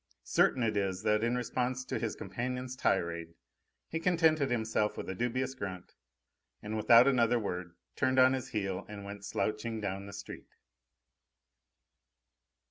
Certain it is that in response to his companion's tirade he contented himself with a dubious grunt, and without another word turned on his heel and went slouching down the street.